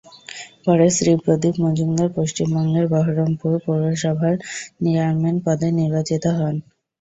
পরে শ্রী প্রদীপ মজুমদার পশ্চিমবঙ্গের বহরমপুর পৌরসভার চেয়ারম্যান পদে নির্বাচিত হন।